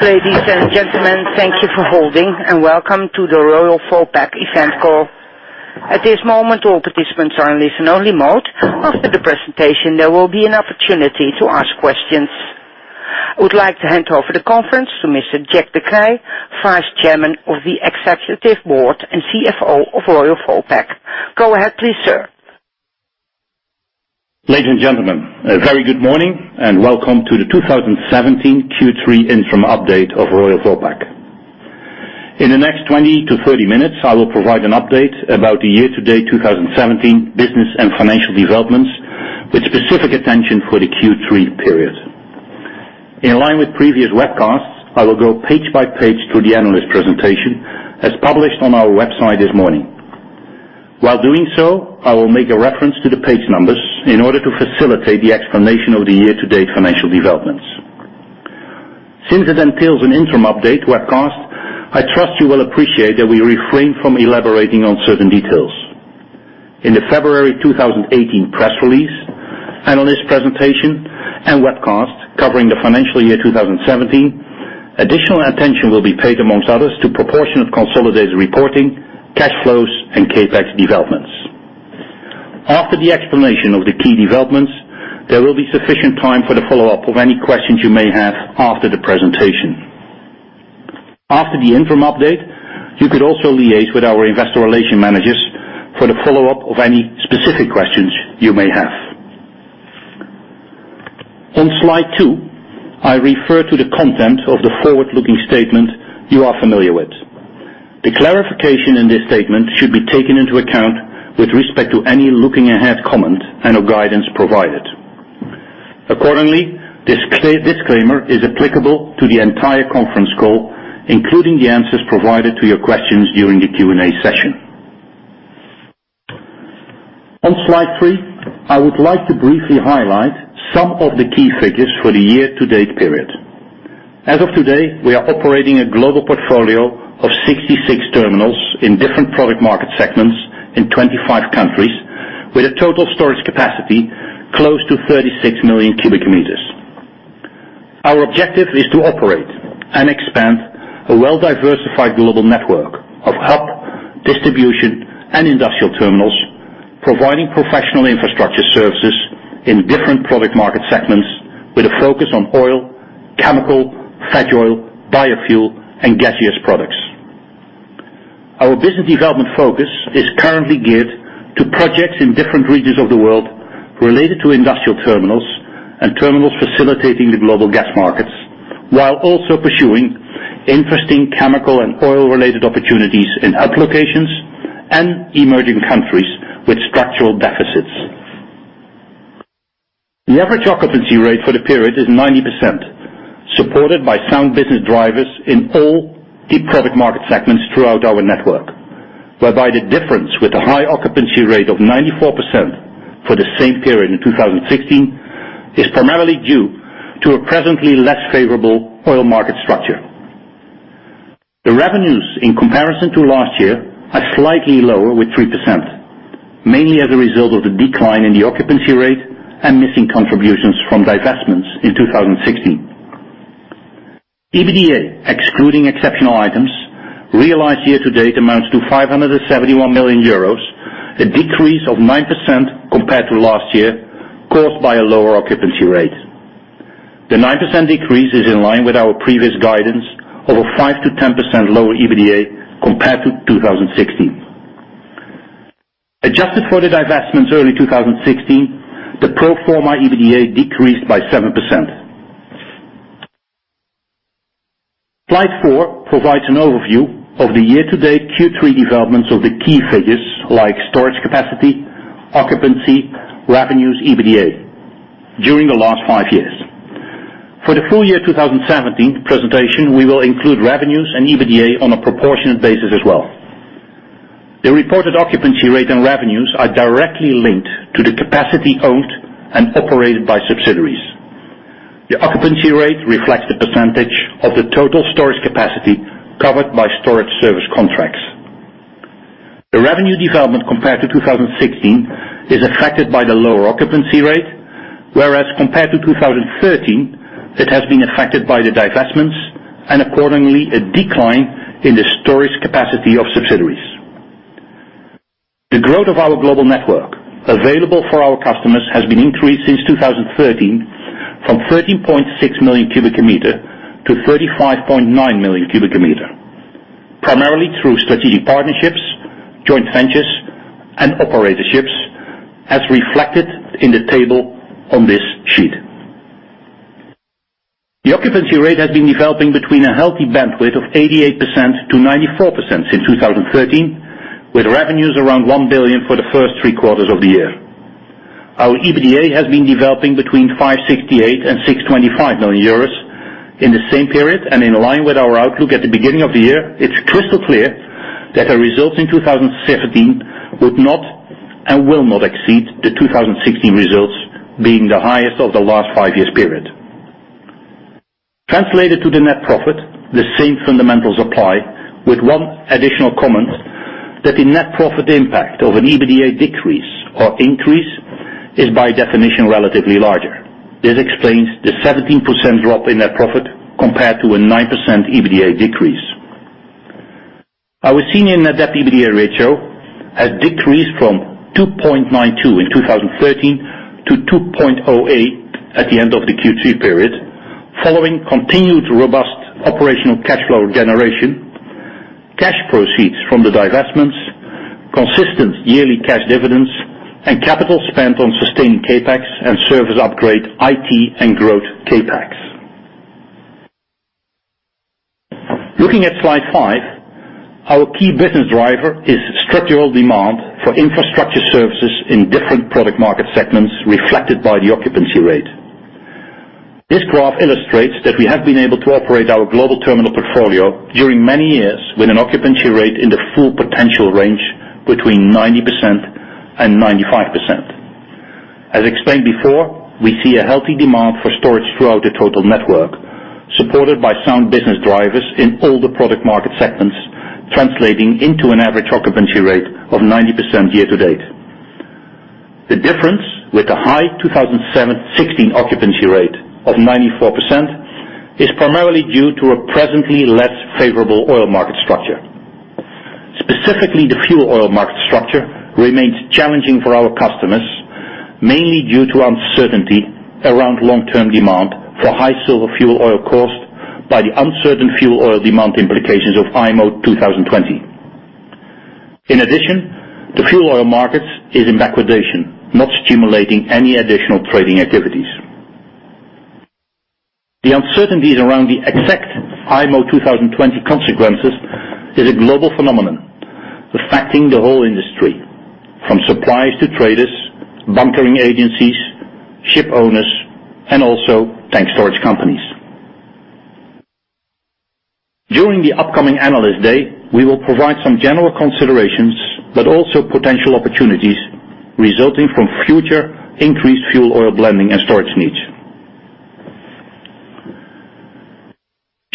Ladies and gentlemen, thank you for holding, welcome to the Royal Vopak event call. At this moment, all participants are in listen-only mode. After the presentation, there will be an opportunity to ask questions. I would like to hand over the conference to Mr. Jack de Kreij, Vice Chairman of the Executive Board and CFO of Royal Vopak. Go ahead, please, sir. Ladies and gentlemen, a very good morning, welcome to the 2017 Q3 interim update of Royal Vopak. In the next 20 to 30 minutes, I will provide an update about the year-to-date 2017 business and financial developments, with specific attention for the Q3 period. In line with previous webcasts, I will go page by page through the analyst presentation, as published on our website this morning. While doing so, I will make a reference to the page numbers in order to facilitate the explanation of the year-to-date financial developments. Since it entails an interim update webcast, I trust you will appreciate that we refrain from elaborating on certain details. In the February 2018 press release, analyst presentation, and webcast covering the financial year 2017, additional attention will be paid amongst others to proportion of consolidated reporting, cash flows, and CapEx developments. After the explanation of the key developments, there will be sufficient time for the follow-up of any questions you may have after the presentation. After the interim update, you could also liaise with our investor relation managers for the follow-up of any specific questions you may have. On slide two, I refer to the content of the forward-looking statement you are familiar with. The clarification in this statement should be taken into account with respect to any looking ahead comment and of guidance provided. Accordingly, this disclaimer is applicable to the entire conference call, including the answers provided to your questions during the Q&A session. On slide three, I would like to briefly highlight some of the key figures for the year-to-date period. As of today, we are operating a global portfolio of 66 terminals in different product market segments in 25 countries, with a total storage capacity close to 36 million cubic meters. Our objective is to operate and expand a well-diversified global network of hub, distribution, and industrial terminals, providing professional infrastructure services in different product market segments with a focus on oil, chemical, veg oil, biofuel, and gaseous products. Our business development focus is currently geared to projects in different regions of the world related to industrial terminals and terminals facilitating the global gas markets, while also pursuing interesting chemical and oil-related opportunities in hub locations and emerging countries with structural deficits. The average occupancy rate for the period is 90%, supported by sound business drivers in all key product market segments throughout our network, whereby the difference with a high occupancy rate of 94% for the same period in 2016 is primarily due to a presently less favorable oil market structure. The revenues in comparison to last year are slightly lower with 3%, mainly as a result of the decline in the occupancy rate and missing contributions from divestments in 2016. EBITDA, excluding exceptional items, realized year to date amounts to 571 million euros, a decrease of 9% compared to last year, caused by a lower occupancy rate. The 9% decrease is in line with our previous guidance of a 5%-10% lower EBITDA compared to 2016. Adjusted for the divestments early 2016, the pro forma EBITDA decreased by 7%. Slide four provides an overview of the year-to-date Q3 developments of the key figures like storage capacity, occupancy, revenues, EBITDA, during the last five years. For the full year 2017 presentation, we will include revenues and EBITDA on a proportionate basis as well. The reported occupancy rate and revenues are directly linked to the capacity owned and operated by subsidiaries. The occupancy rate reflects the percentage of the total storage capacity covered by storage service contracts. The revenue development compared to 2016 is affected by the lower occupancy rate, whereas compared to 2013, it has been affected by the divestments and accordingly, a decline in the storage capacity of subsidiaries. The growth of our global network available for our customers has been increased since 2013 from 13.6 million cubic meter to 35.9 million cubic meter, primarily through strategic partnerships, joint ventures, and operatorships, as reflected in the table on this sheet. The occupancy rate has been developing between a healthy bandwidth of 88%-94% since 2013, with revenues around one billion for the first three quarters of the year. Our EBITDA has been developing between 568 million and 625 million euros in the same period. In line with our outlook at the beginning of the year, it's crystal clear that our results in 2017 would not and will not exceed the 2016 results being the highest of the last five years period. Translated to the net profit, the same fundamentals apply with one additional comment that the net profit impact of an EBITDA decrease or increase is by definition, relatively larger. This explains the 17% drop in net profit compared to a 9% EBITDA decrease. Our senior net debt-EBITDA ratio has decreased from 2.92 in 2013 to 2.08 at the end of the Q3 period, following continued robust operational cash flow generation, cash proceeds from the divestments, consistent yearly cash dividends, and capital spent on sustained CapEx and service upgrade, IT, and growth CapEx. Looking at slide five, our key business driver is structural demand for infrastructure services in different product market segments, reflected by the occupancy rate. This graph illustrates that we have been able to operate our global terminal portfolio during many years with an occupancy rate in the full potential range, between 90%-95%. As explained before, we see a healthy demand for storage throughout the total network, supported by sound business drivers in all the product market segments, translating into an average occupancy rate of 90% year-to-date. The difference with the high 2016 occupancy rate of 94% is primarily due to a presently less favorable oil market structure. Specifically, the fuel oil market structure remains challenging for our customers, mainly due to uncertainty around long-term demand for high sulfur fuel oil caused by the uncertain fuel oil demand implications of IMO 2020. In addition, the fuel oil markets is in backwardation, not stimulating any additional trading activities. The uncertainties around the exact IMO 2020 consequences is a global phenomenon affecting the whole industry, from suppliers to traders, bunkering agencies, ship owners, and also tank storage companies. During the upcoming Analyst Day, we will provide some general considerations, but also potential opportunities resulting from future increased fuel oil blending and storage needs.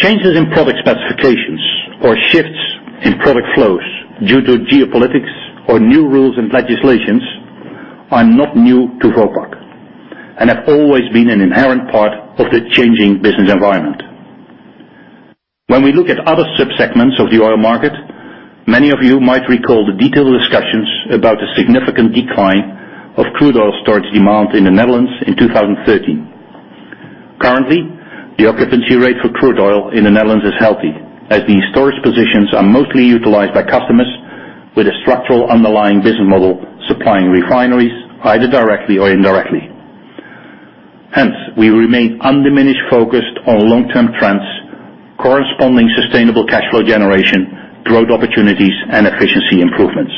Changes in product specifications or shifts in product flows due to geopolitics or new rules and legislations are not new to Vopak and have always been an inherent part of the changing business environment. When we look at other subsegments of the oil market, many of you might recall the detailed discussions about the significant decline of crude oil storage demand in the Netherlands in 2013. Currently, the occupancy rate for crude oil in the Netherlands is healthy, as these storage positions are mostly utilized by customers with a structural underlying business model, supplying refineries either directly or indirectly. Hence, we remain undiminished focused on long-term trends, corresponding sustainable cash flow generation, growth opportunities, and efficiency improvements.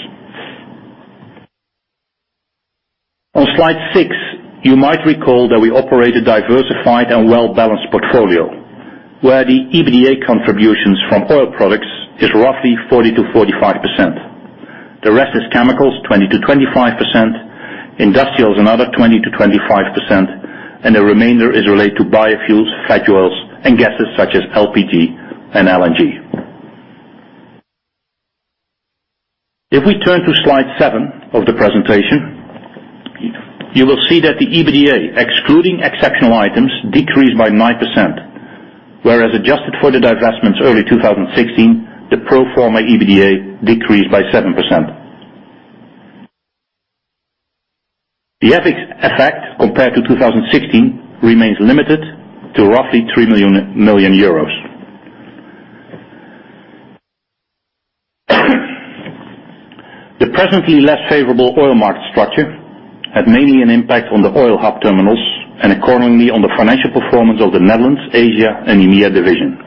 On slide six, you might recall that we operate a diversified and well-balanced portfolio, where the EBITDA contributions from oil products is roughly 40%-45%. The rest is chemicals, 20%-25%, industrial is another 20%-25%, and the remainder is related to biofuels, veg oils, and gases such as LPG and LNG. If we turn to slide seven of the presentation, you will see that the EBITDA, excluding exceptional items, decreased by 9%, whereas adjusted for the divestments early 2016, the pro forma EBITDA decreased by 7%. The FX effect compared to 2016 remains limited to roughly 3 million euros. The presently less favorable oil market structure had mainly an impact on the oil hub terminals and accordingly on the financial performance of the Netherlands, Asia, and EMEA division.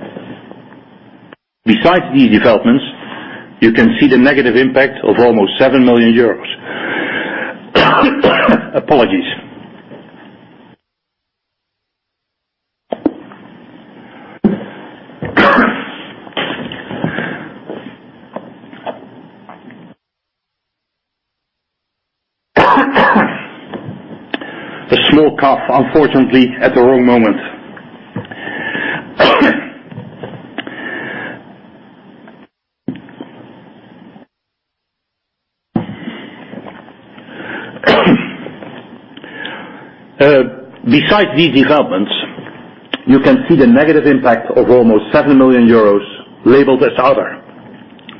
Besides these developments, you can see the negative impact of almost EUR 7 million. Apologies. A small cough, unfortunately at the wrong moment. Besides these developments, you can see the negative impact of almost 7 million euros labeled as Other,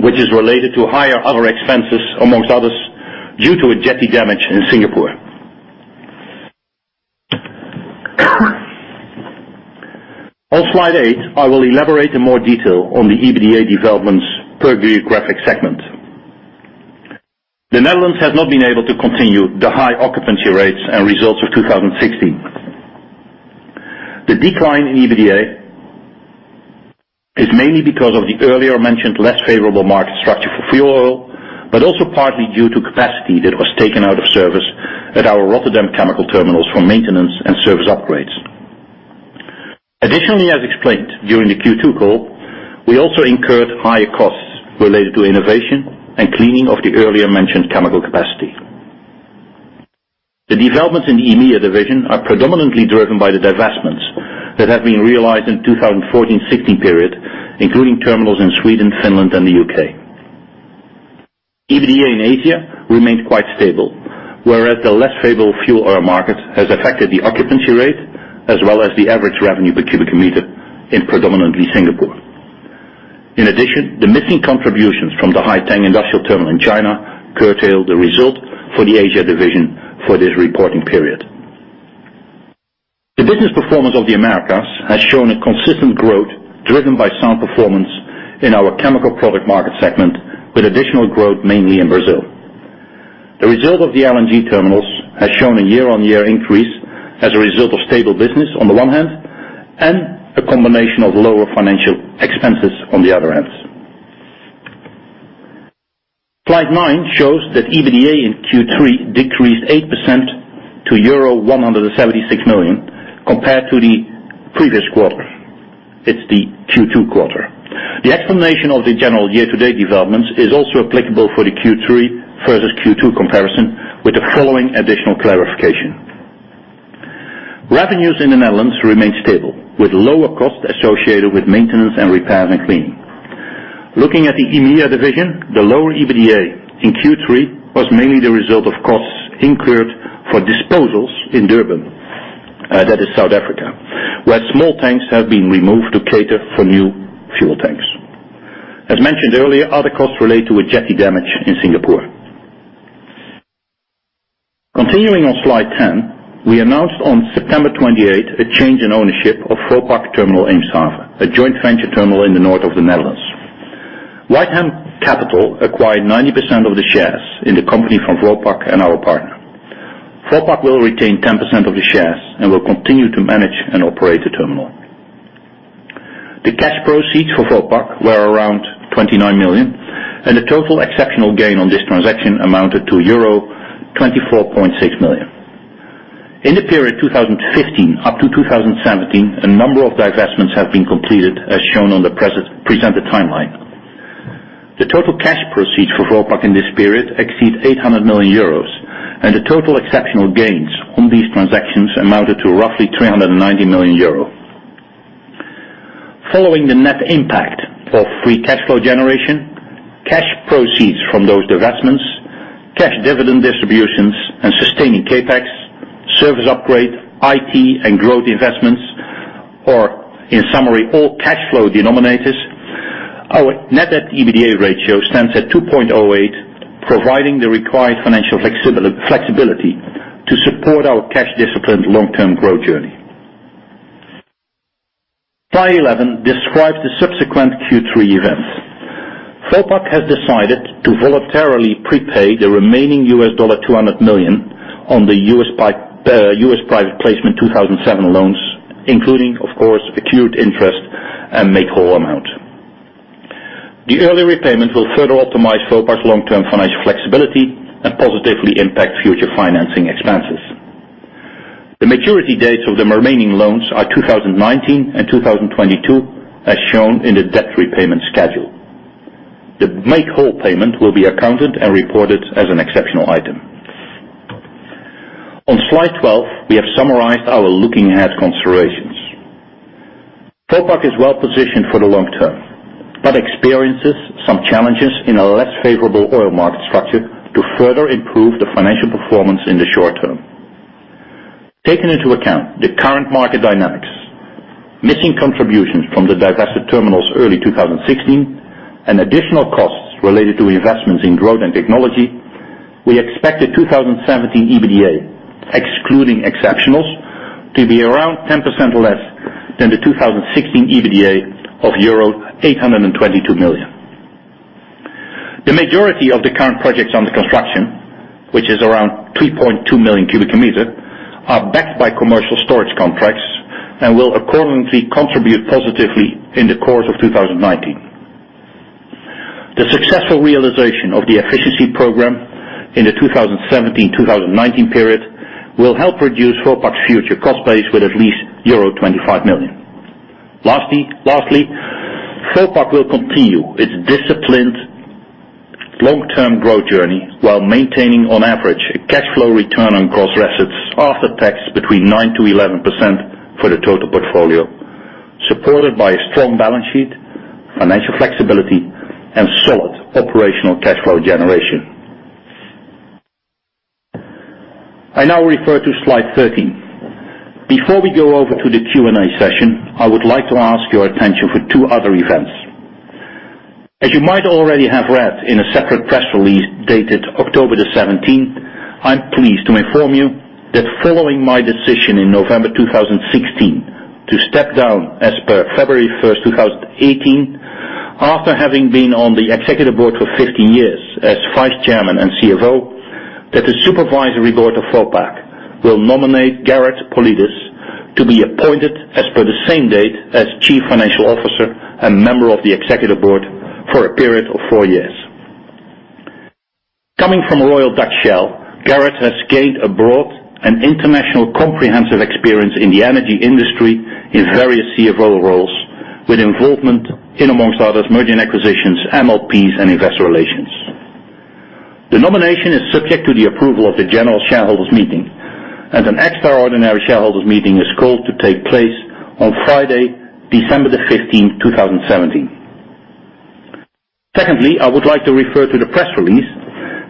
which is related to higher other expenses, amongst others, due to a jetty damage in Singapore. On slide eight, I will elaborate in more detail on the EBITDA developments per geographic segment. The Netherlands has not been able to continue the high occupancy rates and results of 2016. The decline in EBITDA is mainly because of the earlier mentioned less favorable market structure for fuel oil, but also partly due to capacity that was taken out of service at our Rotterdam chemical terminals for maintenance and service upgrades. Additionally, as explained during the Q2 call, we also incurred higher costs related to innovation and cleaning of the earlier mentioned chemical capacity. The developments in the EMEA division are predominantly driven by the divestments that have been realized in 2014-2016 period, including terminals in Sweden, Finland, and the U.K. EBITDA in Asia remained quite stable, whereas the less favorable fuel oil market has affected the occupancy rate, as well as the average revenue per cubic meter in predominantly Singapore. In addition, the missing contributions from the Haiteng industrial terminal in China curtailed the result for the Asia division for this reporting period. The business performance of the Americas has shown a consistent growth driven by sound performance in our chemical product market segment, with additional growth mainly in Brazil. The result of the LNG terminals has shown a year-on-year increase as a result of stable business on the one hand, and a combination of lower financial expenses on the other hands. Slide 9 shows that EBITDA in Q3 decreased 8% to euro 176 million compared to the previous quarter. It's the Q2 quarter. The explanation of the general year-to-date developments is also applicable for the Q3 versus Q2 comparison, with the following additional clarification. Revenues in the Netherlands remained stable, with lower costs associated with maintenance and repairs and cleaning. Looking at the EMEA division, the lower EBITDA in Q3 was mainly the result of costs incurred for disposals in Durban, that is South Africa, where small tanks have been removed to cater for new fuel tanks. As mentioned earlier, other costs relate to a jetty damage in Singapore. Continuing on slide 10, we announced on September 28th a change in ownership of Vopak Terminal Eemshaven, a joint venture terminal in the north of the Netherlands. Whitehelm Capital acquired 90% of the shares in the company from Vopak and our partner. Vopak will retain 10% of the shares and will continue to manage and operate the terminal. The cash proceeds for Vopak were around 29 million, and the total exceptional gain on this transaction amounted to euro 24.6 million. In the period 2015 up to 2017, a number of divestments have been completed, as shown on the presented timeline. The total cash proceeds for Vopak in this period exceed 800 million euros, and the total exceptional gains on these transactions amounted to roughly 390 million euros. Following the net impact of free cash flow generation, cash proceeds from those divestments, cash dividend distributions, and sustaining CapEx, service upgrade, IT, and growth investments, or in summary, all cash flow denominators, our net debt to EBITDA ratio stands at 2.08, providing the required financial flexibility to support our cash disciplined long-term growth journey. Slide 11 describes the subsequent Q3 events. Vopak has decided to voluntarily prepay the remaining $200 million on the US private placement 2007 loans, including, of course, accrued interest and make-whole amount. The early repayment will further optimize Vopak's long-term financial flexibility and positively impact future financing expenses. The maturity dates of the remaining loans are 2019 and 2022, as shown in the debt repayment schedule. The make-whole payment will be accounted and reported as an exceptional item. On slide 12, we have summarized our looking ahead considerations. Vopak is well positioned for the long term, but experiences some challenges in a less favorable oil market structure to further improve the financial performance in the short term. Taking into account the current market dynamics, missing contributions from the divested terminals early 2016, and additional costs related to investments in growth and technology, we expect the 2017 EBITDA, excluding exceptionals, to be around 10% less than the 2016 EBITDA of euro 822 million. The majority of the current projects under construction, which is around 3.2 million cubic meters, are backed by commercial storage contracts and will accordingly contribute positively in the course of 2019. The successful realization of the efficiency program in the 2017-2019 period will help reduce Vopak's future cost base with at least euro 25 million. Lastly, Vopak will continue its disciplined long-term growth journey while maintaining, on average, a cash flow return on cost assets after tax between 9%-11% for the total portfolio, supported by a strong balance sheet, financial flexibility, and solid operational cash flow generation. I now refer to slide 13. Before we go over to the Q&A session, I would like to ask your attention for two other events. As you might already have read in a separate press release dated October 17th, I am pleased to inform you that following my decision in November 2016 to step down as per February 1st, 2018, after having been on the Executive Board for 15 years as Vice Chairman and CFO, that the Supervisory Board of Vopak will nominate Gerard Paulides to be appointed as per the same date as Chief Financial Officer and member of the Executive Board for a period of four years. Coming from Royal Dutch Shell, Gerrit has gained a broad and international comprehensive experience in the energy industry in various CFO roles with involvement in, amongst others, mergers and acquisitions, MLPs, and investor relations. The nomination is subject to the approval of the general shareholders meeting. An extraordinary shareholders meeting is called to take place on Friday, December 15th, 2017. Secondly, I would like to refer to the press release,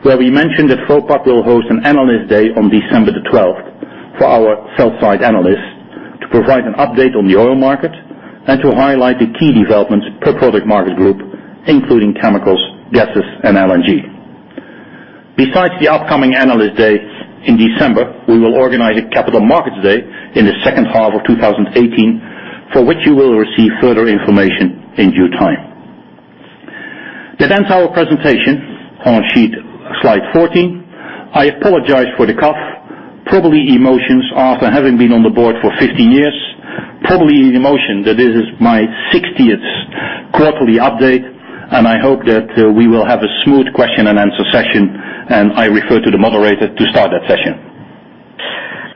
where we mentioned that Vopak will host an analyst day on December 12th for our sell side analysts to provide an update on the oil market and to highlight the key developments per product market group, including chemicals, gases, and LNG. Besides the upcoming analyst day in December, we will organize a capital markets day in the second half of 2018, for which you will receive further information in due time. That ends our presentation on slide 14. I apologize for the cough. Probably emotions after having been on the board for 15 years. Probably an emotion that this is my 60th quarterly update. I hope that we will have a smooth question and answer session. I refer to the moderator to start that session.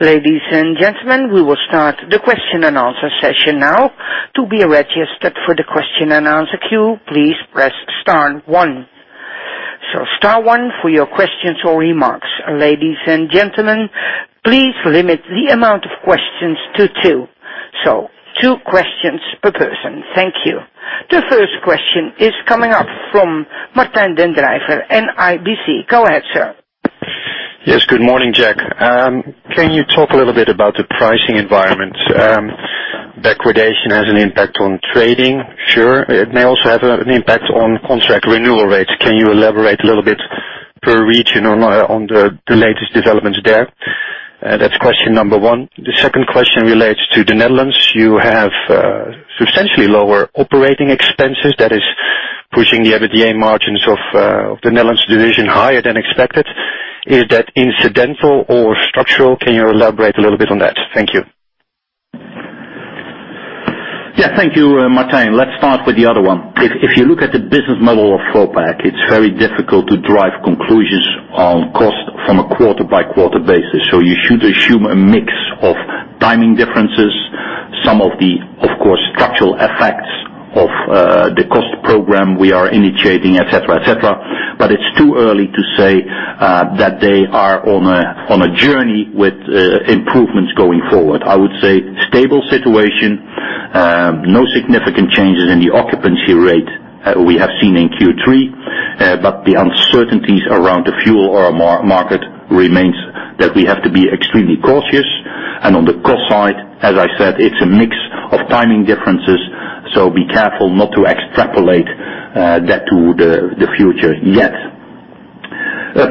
Ladies and gentlemen, we will start the question and answer session now. To be registered for the question and answer queue, please press star one. Star one for your questions or remarks. Ladies and gentlemen, please limit the amount of questions to two. Two questions per person. Thank you. The first question is coming up from Martijn den Drijver, NIBC. Go ahead, sir. Yes. Good morning, Jack. Can you talk a little bit about the pricing environment? Declination has an impact on trading, sure. It may also have an impact on contract renewal rates. Can you elaborate a little bit per region on the latest developments there? That's question number 1. The second question relates to the Netherlands. You have substantially lower operating expenses that is pushing the EBITDA margins of the Netherlands division higher than expected. Is that incidental or structural? Can you elaborate a little bit on that? Thank you. Thank you, Martijn. Let's start with the other one. If you look at the business model of Vopak, it's very difficult to drive conclusions on cost from a quarter-by-quarter basis. You should assume a mix of timing differences, some of the, of course, structural effects of the cost program we are initiating, et cetera. It's too early to say that they are on a journey with improvements going forward. I would say stable situation, no significant changes in the occupancy rate we have seen in Q3. The uncertainties around the fuel oil market remains that we have to be extremely cautious. On the cost side, as I said, it's a mix of timing differences, be careful not to extrapolate that to the future yet.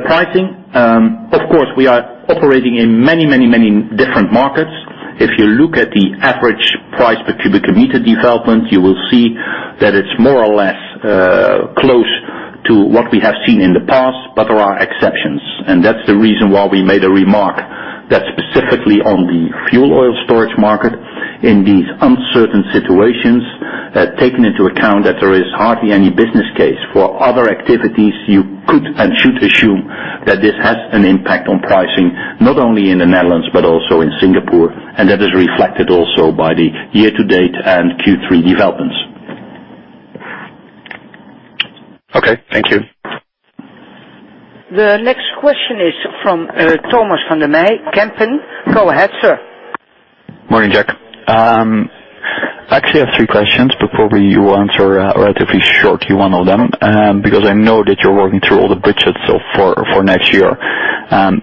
Pricing. Of course, we are operating in many different markets. If you look at the average price per cubic meter development, you will see that it's more or less close to what we have seen in the past. There are exceptions, that's the reason why we made a remark that specifically on the fuel oil storage market, in these uncertain situations, taking into account that there is hardly any business case for other activities, you could and should assume that this has an impact on pricing, not only in the Netherlands but also in Singapore. That is reflected also by the year-to-date and Q3 developments. Okay. Thank you. The next question is from Thomas van der Meij, Kempen. Go ahead, sir. Morning, Jack. Actually, I have three questions, but probably you answer relatively short one of them, because I know that you're working through all the budgets for next year.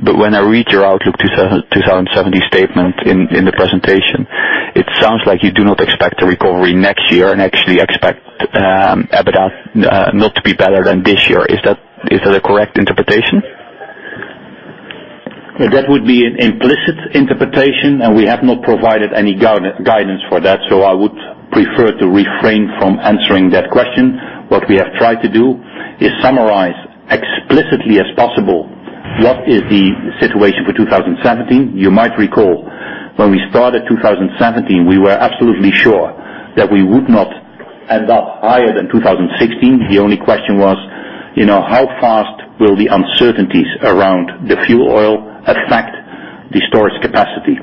When I read your outlook 2017 statement in the presentation, it sounds like you do not expect a recovery next year and actually expect EBITDA not to be better than this year. Is that a correct interpretation? That would be an implicit interpretation. We have not provided any guidance for that. I would prefer to refrain from answering that question. What we have tried to do is summarize explicitly as possible what is the situation for 2017. You might recall, when we started 2017, we were absolutely sure that we would not end up higher than 2016. The only question was, how fast will the uncertainties around the fuel oil affect the storage capacity?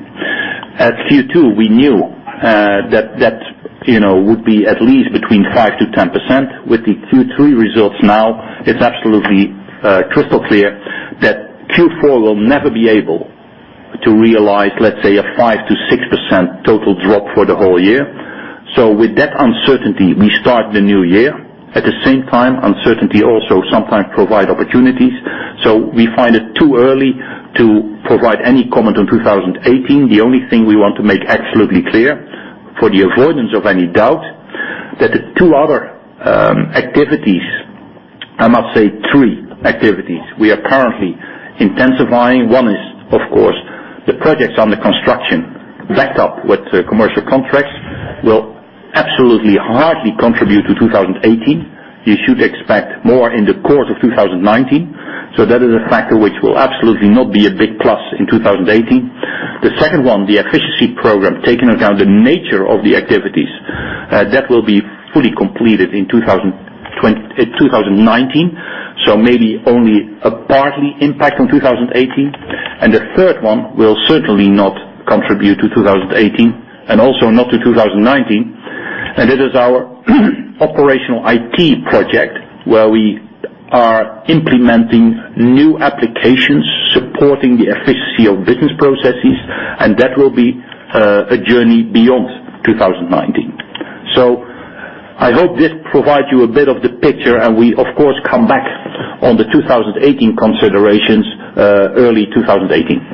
At Q2, we knew that would be at least between 5%-10%. With the Q3 results now, it's absolutely crystal clear that Q4 will never be able to realize, let's say, a 5%-6% total drop for the whole year. With that uncertainty, we start the new year. At the same time, uncertainty also sometimes provide opportunities. We find it too early to provide any comment on 2018. The only thing we want to make absolutely clear, for the avoidance of any doubt, that the two other activities, I must say three activities we are currently intensifying. One is, of course, the projects under construction backed up with commercial contracts, will absolutely hardly contribute to 2018. You should expect more in the course of 2019. That is a factor which will absolutely not be a big plus in 2018. The second one, the efficiency program, taking account the nature of the activities, that will be fully completed in 2019, maybe only a partly impact on 2018. The third one will certainly not contribute to 2018 and also not to 2019. It is our operational IT project, where we are implementing new applications supporting the efficiency of business processes, and that will be a journey beyond 2019. I hope this provides you a bit of the picture, and we, of course, come back on the 2018 considerations early 2018.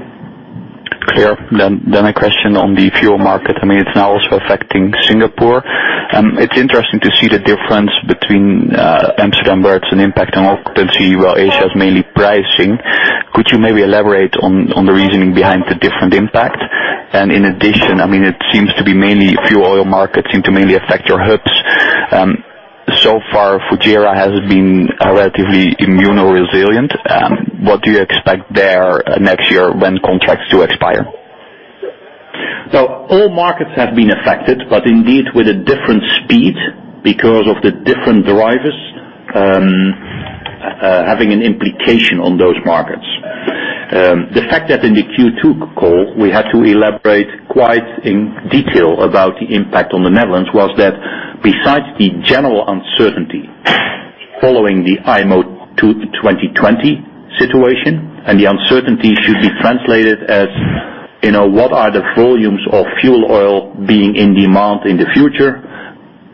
Clear. A question on the fuel market. It is now also affecting Singapore. It is interesting to see the difference between Amsterdam, where it is an impact on occupancy, while Asia is mainly pricing. Could you maybe elaborate on the reasoning behind the different impact? In addition, it seems to be mainly fuel oil markets seem to mainly affect your hubs. So far, Fujairah has been relatively immune or resilient. What do you expect there next year when contracts do expire? All markets have been affected, but indeed with a different speed because of the different drivers having an implication on those markets. The fact that in the Q2 call, we had to elaborate quite in detail about the impact on the Netherlands was that besides the general uncertainty following the IMO 2020 situation, and the uncertainty should be translated as what are the volumes of fuel oil being in demand in the future,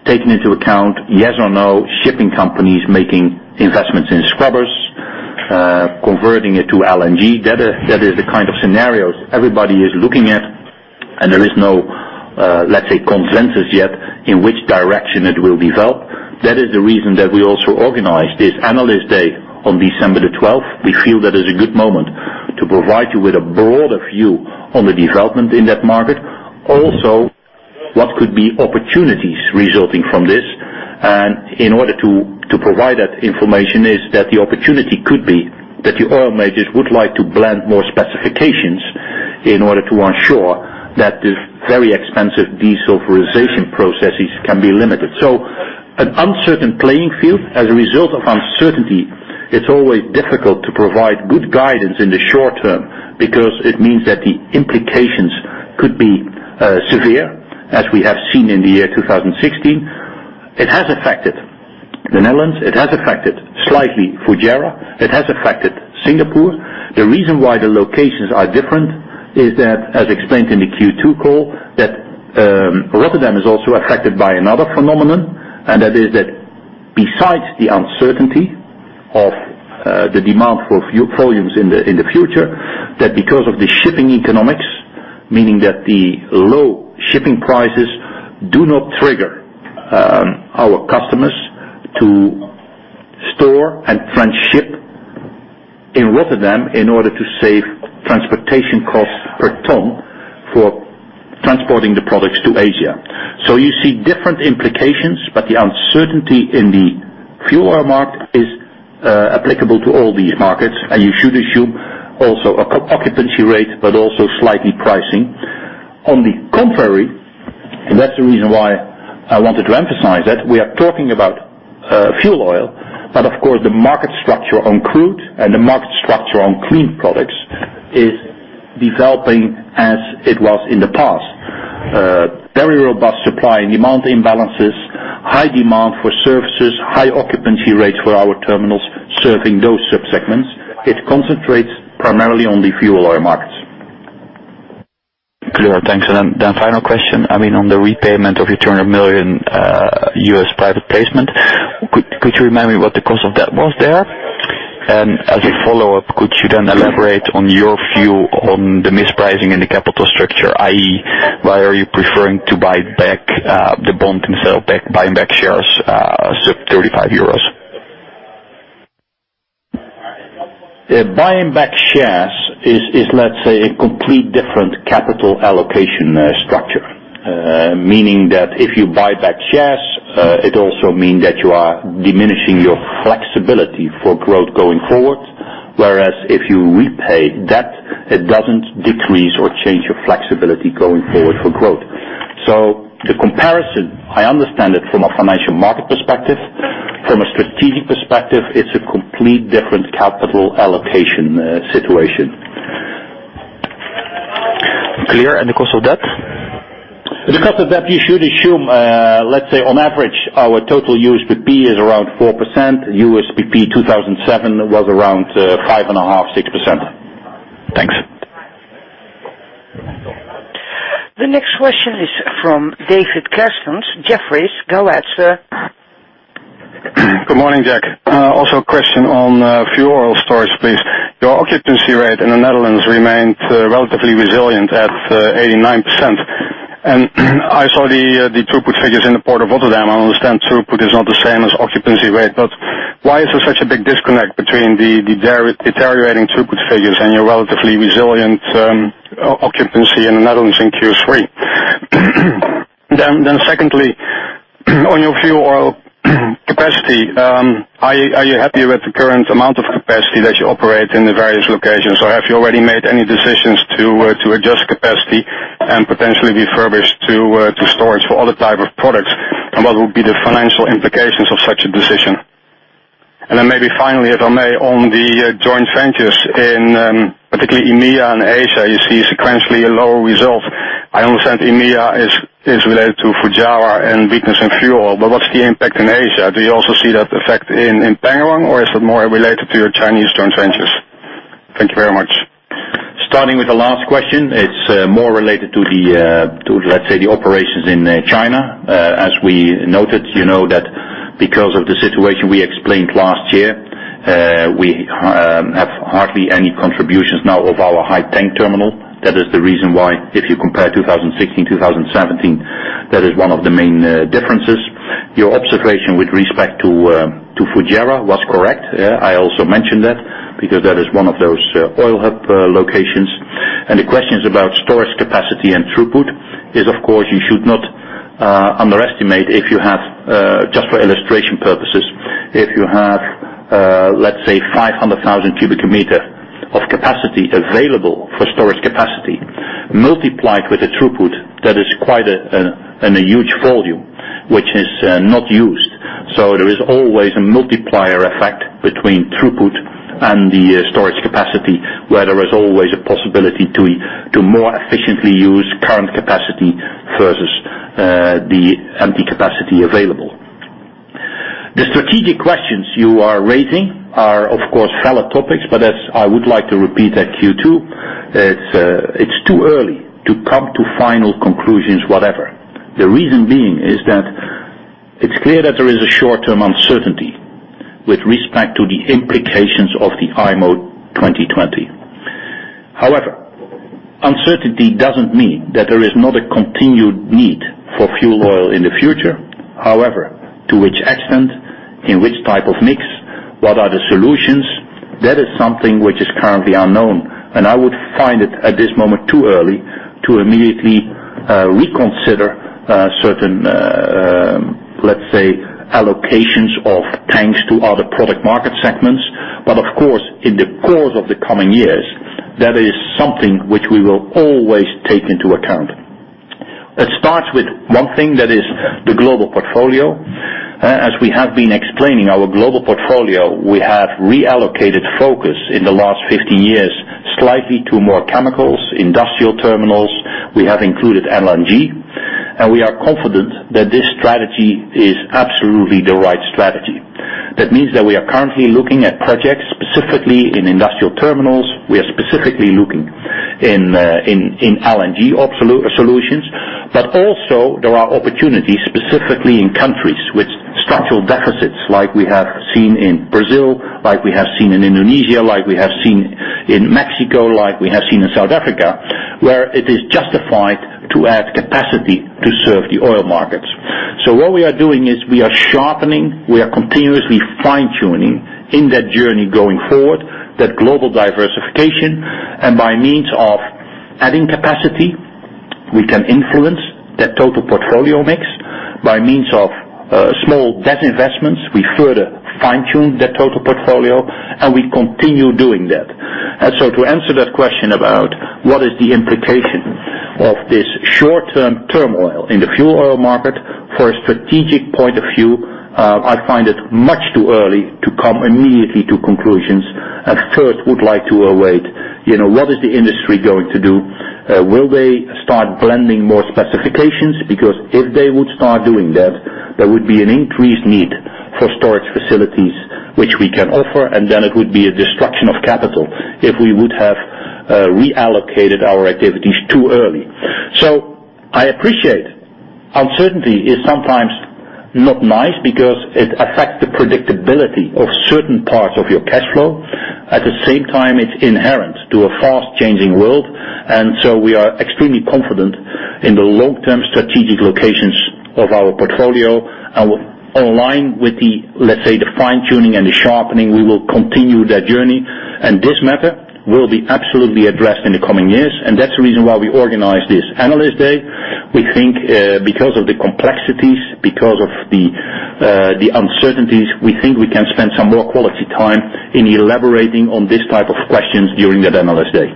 taking into account yes or no shipping companies making investments in scrubbers, converting it to LNG. That is the kind of scenarios everybody is looking at, and there is no, let's say, consensus yet in which direction it will develop. That is the reason that we also organized this Analyst Day on December the 12th. We feel that is a good moment to provide you with a broader view on the development in that market. What could be opportunities resulting from this. In order to provide that information is that the opportunity could be that the oil majors would like to blend more specifications in order to ensure that these very expensive desulphurization processes can be limited. An uncertain playing field as a result of uncertainty, it's always difficult to provide good guidance in the short term because it means that the implications could be severe, as we have seen in the year 2016. It has affected the Netherlands. It has affected slightly Fujairah. It has affected Singapore. The reason why the locations are different is that, as explained in the Q2 call, that Rotterdam is also affected by another phenomenon, and that is that besides the uncertainty of the demand for volumes in the future, that because of the shipping economics, meaning that the low shipping prices do not trigger our customers to store and transship in Rotterdam in order to save transportation costs per ton for transporting the products to Asia. You see different implications, but the uncertainty in the fuel oil market is applicable to all these markets, and you should assume also occupancy rate, but also slightly pricing. On the contrary, that's the reason why I wanted to emphasize that, we are talking about fuel oil, but of course, the market structure on crude and the market structure on clean products is developing as it was in the past. Very robust supply and demand imbalances, high demand for services, high occupancy rates for our terminals serving those subsegments. It concentrates primarily on the fuel oil markets. Clear. Thanks. Then final question. On the repayment of your $200 million US private placement, could you remind me what the cost of that was there? As a follow-up, could you then elaborate on your view on the mispricing in the capital structure, i.e., why are you preferring to buy back the bond instead of buying back shares at 35 euros? Buying back shares is, let's say, a complete different capital allocation structure. Meaning that if you buy back shares, it also mean that you are diminishing your flexibility for growth going forward. Whereas if you repay debt, it doesn't decrease or change your flexibility going forward for growth. The comparison, I understand it from a financial market perspective. From a strategic perspective, it's a complete different capital allocation situation. Clear. The cost of debt? The cost of debt you should assume, let's say on average, our total USPP is around 4%. USPP 2007 was around 5.5%, 6%. Thanks. The next question is from David Kerstens, Jefferies. Go ahead, sir. Good morning, Jack. Also a question on fuel oil storage, please. Your occupancy rate in the Netherlands remained relatively resilient at 89%. I saw the throughput figures in the port of Rotterdam. I understand throughput is not the same as occupancy rate, why is there such a big disconnect between the deteriorating throughput figures and your relatively resilient occupancy in the Netherlands in Q3? Secondly, on your fuel oil capacity, are you happy with the current amount of capacity that you operate in the various locations, or have you already made any decisions to adjust capacity and potentially refurbish to storage for other type of products? What would be the financial implications of such a? Maybe finally, if I may, on the joint ventures in particularly EMEA and Asia, you see sequentially a lower result. I understand EMEA is related to Fujairah and weakness in fuel, what's the impact in Asia? Do you also see that effect in Pengerang, or is it more related to your Chinese joint ventures? Thank you very much. Starting with the last question, it's more related to, let's say, the operations in China. As we noted, you know that because of the situation we explained last year, we have hardly any contributions now of our Haiteng terminal. That is the reason why if you compare 2016 to 2017, that is one of the main differences. Your observation with respect to Fujairah was correct. I also mentioned that because that is one of those oil hub locations. The questions about storage capacity and throughput is, of course, you should not underestimate if you have, just for illustration purposes, let's say 500,000 cubic meter of capacity available for storage capacity. Multiplied with a throughput, that is quite a huge volume, which is not used. There is always a multiplier effect between throughput and the storage capacity, where there is always a possibility to more efficiently use current capacity versus the empty capacity available. The strategic questions you are raising are, of course, valid topics, but as I would like to repeat at Q2, it's too early to come to final conclusions, whatever. Uncertainty doesn't mean that there is not a continued need for fuel oil in the future. To which extent, in which type of mix, what are the solutions? That is something which is currently unknown, and I would find it at this moment too early to immediately reconsider certain, let's say, allocations of tanks to other product market segments. Of course, in the course of the coming years, that is something which we will always take into account. It starts with one thing that is the global portfolio. As we have been explaining our global portfolio, we have reallocated focus in the last 15 years slightly to more chemicals, industrial terminals. We have included LNG, and we are confident that this strategy is absolutely the right strategy. That means that we are currently looking at projects specifically in industrial terminals. We are specifically looking in LNG solutions. Also there are opportunities specifically in countries with structural deficits like we have seen in Brazil, like we have seen in Indonesia, like we have seen in Mexico, like we have seen in South Africa, where it is justified to add capacity to serve the oil markets. What we are doing is we are sharpening, we are continuously fine-tuning in that journey going forward, that global diversification. By means of adding capacity, we can influence that total portfolio mix. By means of small investments, we further fine-tune the total portfolio, and we continue doing that. To answer that question about what is the implication of this short-term turmoil in the fuel oil market. For a strategic point of view, I find it much too early to come immediately to conclusions. I would first like to await what is the industry going to do. Will they start blending more specifications? Because if they would start doing that, there would be an increased need for storage facilities which we can offer, and then it would be a destruction of capital if we would have reallocated our activities too early. I appreciate uncertainty is sometimes not nice because it affects the predictability of certain parts of your cash flow. At the same time, it's inherent to a fast-changing world, we are extremely confident in the long-term strategic locations of our portfolio and will align with the, let's say, the fine-tuning and the sharpening. We will continue that journey, and this matter will be absolutely addressed in the coming years. That's the reason why we organized this analyst day. We think, because of the complexities, because of the uncertainties, we think we can spend some more quality time in elaborating on this type of questions during that analyst day.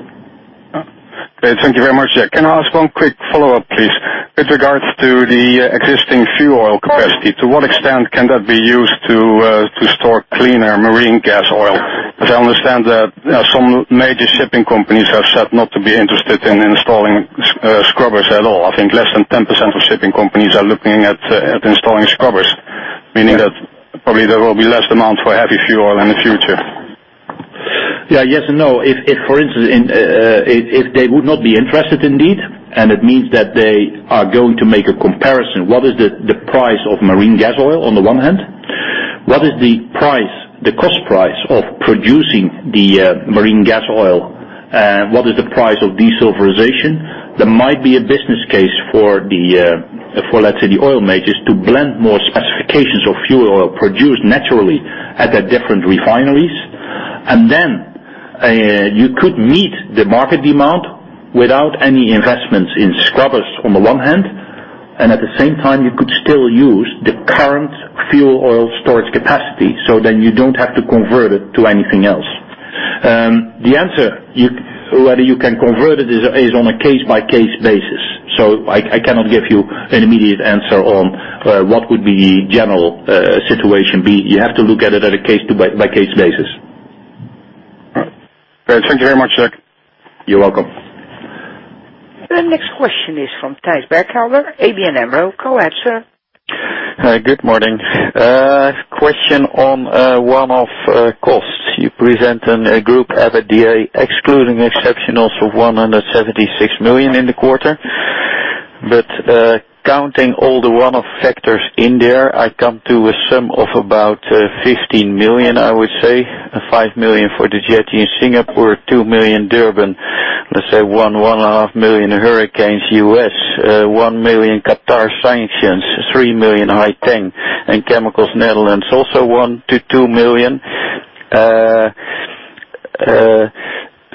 Okay. Thank you very much. Can I ask one quick follow-up, please? With regards to the existing fuel oil capacity, to what extent can that be used to store cleaner marine gas oil? Because I understand that some major shipping companies have said not to be interested in installing scrubbers at all. I think less than 10% of shipping companies are looking at installing scrubbers, meaning that probably there will be less demand for heavy fuel oil in the future. Yes and no. If, for instance, they would not be interested indeed, and it means that they are going to make a comparison, what is the price of marine gas oil on the one hand? What is the cost price of producing the marine gas oil? What is the price of desulfurization? You could meet the market demand without any investments in scrubbers on the one hand, and at the same time, you could still use the current fuel oil storage capacity, so then you don't have to convert it to anything else. The answer, whether you can convert it is on a case-by-case basis. I cannot give you an immediate answer on what would be general situation be. You have to look at it at a case-by-case basis. All right. Thank you very much, Jack. You're welcome. The next question is from Thijs Berkelder, ABN AMRO. Go ahead, sir. Hi, good morning. Question on one-off costs. You present a group EBITDA excluding exceptionals of 176 million in the quarter. Counting all the one-off factors in there, I come to a sum of about 15 million, I would say, 5 million for the jetty in Singapore, 2 million Durban, let's say 1 million, 1.5 million hurricanes U.S., 1 million Qatar sanctions, 3 million Haiteng, and Chemicals Netherlands also 1 million to 2 million.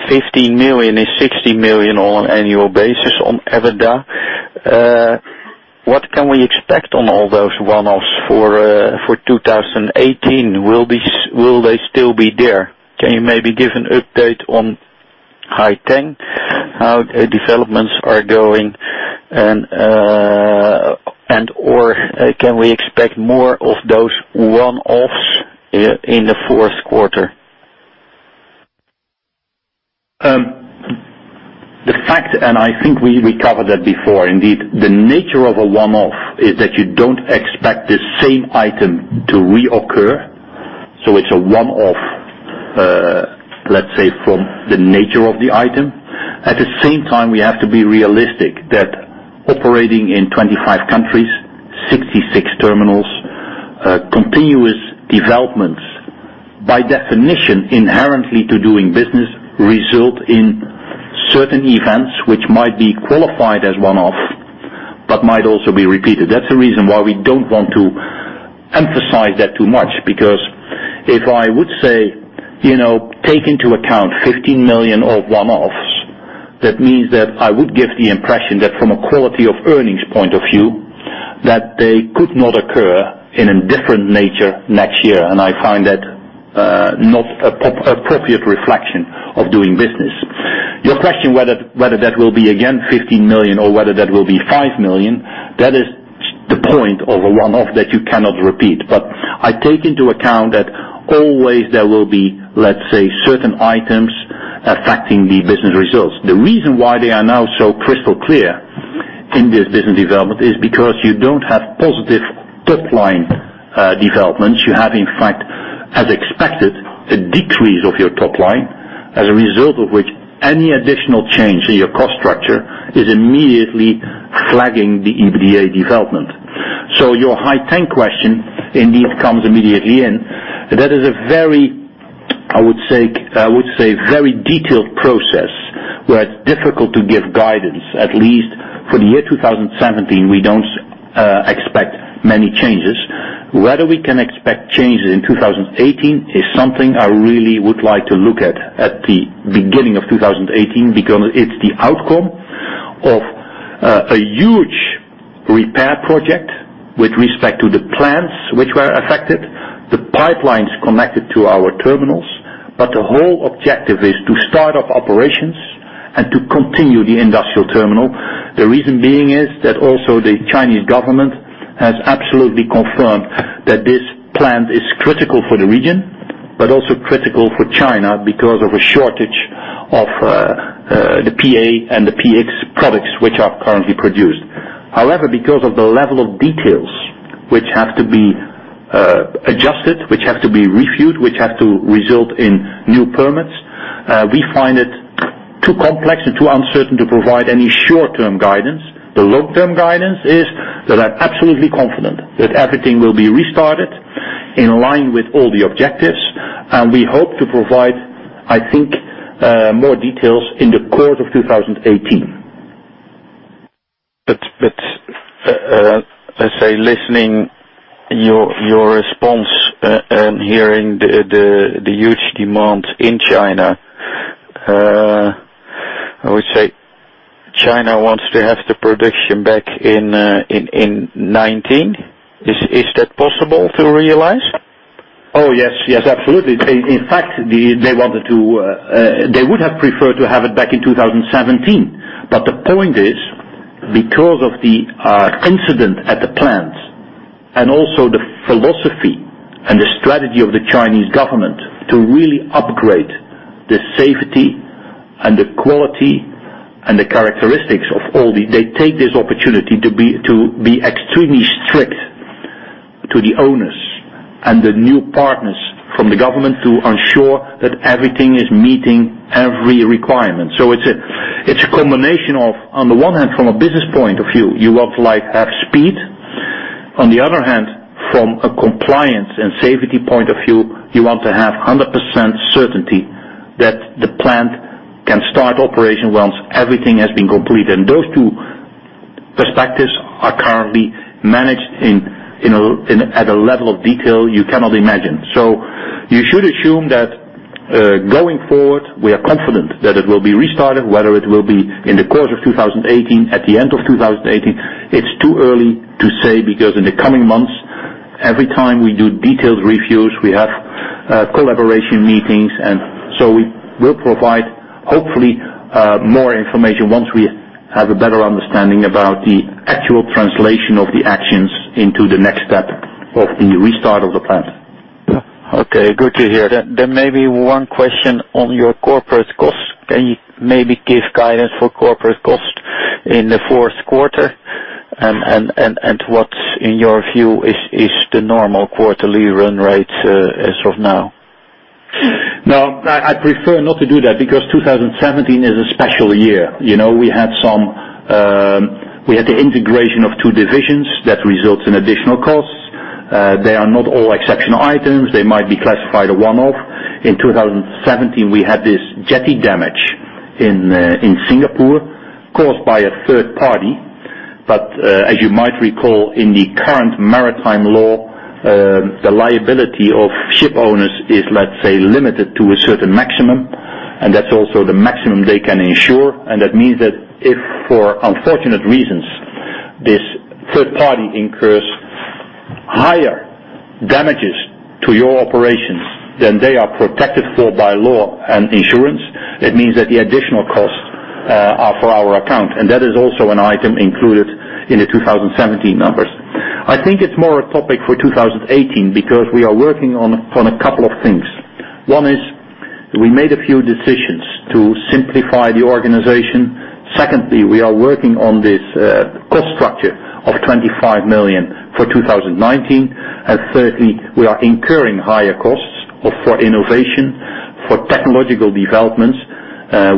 50 million is 60 million on an annual basis on EBITDA. What can we expect on all those one-offs for 2018? Will they still be there? Can you maybe give an update on Haiteng? How developments are going and/or can we expect more of those one-offs in the fourth quarter? The fact, I think we covered that before, indeed, the nature of a one-off is that you don't expect the same item to reoccur. It's a one-off, let's say, from the nature of the item. At the same time, we have to be realistic that operating in 25 countries, 66 terminals, continuous developments, by definition, inherently to doing business, result in certain events which might be qualified as one-off, but might also be repeated. That's the reason why we don't want to emphasize that too much. Because if I would say, take into account 15 million of one-offs, that means that I would give the impression that from a quality of earnings point of view, that they could not occur in a different nature next year. I find that not appropriate reflection of doing business. Your question whether that will be again 15 million or whether that will be 5 million, that is the point of a one-off that you cannot repeat. I take into account that always there will be, let's say, certain items affecting the business results. The reason why they are now so crystal clear in this business development is because you don't have positive top-line developments. You have, in fact, as expected, a decrease of your top line, as a result of which any additional change in your cost structure is immediately flagging the EBITDA development. Your Haiteng question indeed comes immediately in. That is a very, I would say, detailed process where it's difficult to give guidance. At least for the year 2017, we don't expect many changes. Whether we can expect changes in 2018 is something I really would like to look at the beginning of 2018, because it's the outcome of a huge repair project with respect to the plants which were affected, the pipelines connected to our terminals. The whole objective is to start up operations and to continue the industrial terminal. The reason being is that also the Chinese government has absolutely confirmed that this plant is critical for the region, but also critical for China because of a shortage of the PTA and the PX products which are currently produced. Because of the level of details which have to be adjusted, which have to be reviewed, which have to result in new permits, we find it too complex and too uncertain to provide any short-term guidance. The long-term guidance is that I'm absolutely confident that everything will be restarted in line with all the objectives, and we hope to provide, I think, more details in the course of 2018. Let's say, listening your response and hearing the huge demand in China. I would say China wants to have the production back in 2019. Is that possible to realize? Oh, yes. Absolutely. In fact, they would have preferred to have it back in 2017. The point is, because of the incident at the plant and also the philosophy and the strategy of the Chinese government to really upgrade the safety and the quality and the characteristics. They take this opportunity to be extremely strict to the owners and the new partners from the government to ensure that everything is meeting every requirement. It's a combination of, on the one hand, from a business point of view, you want to have speed. On the other hand, from a compliance and safety point of view, you want to have 100% certainty that the plant can start operation once everything has been completed. Those two perspectives are currently managed at a level of detail you cannot imagine. You should assume that going forward, we are confident that it will be restarted. Whether it will be in the course of 2018, at the end of 2018, it's too early to say, because in the coming months. Every time we do detailed reviews, we have collaboration meetings. We will provide, hopefully, more information once we have a better understanding about the actual translation of the actions into the next step of the restart of the plant. Okay, good to hear. Maybe one question on your corporate costs. Can you maybe give guidance for corporate cost in the fourth quarter? What, in your view, is the normal quarterly run rate as of now? No, I'd prefer not to do that because 2017 is a special year. We had the integration of two divisions that results in additional costs. They are not all exceptional items. They might be classified a one-off. In 2017, we had this jetty damage in Singapore caused by a third party. As you might recall, in the current maritime law, the liability of ship owners is, let's say, limited to a certain maximum, and that's also the maximum they can insure. That means that if, for unfortunate reasons, this third party incurs higher damages to your operations than they are protected for by law and insurance, it means that the additional costs are for our account. That is also an item included in the 2017 numbers. I think it's more a topic for 2018 because we are working on a couple of things. One is we made a few decisions to simplify the organization. Secondly, we are working on this cost structure of 25 million for 2019. Thirdly, we are incurring higher costs for innovation, for technological developments